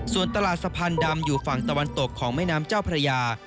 ส่วนตลาดสะพานดำอยู่ฝั่งตะวันตกของแม่น้ำเจ้าพระยา